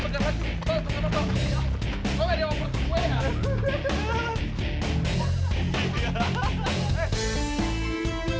udah stop mainnya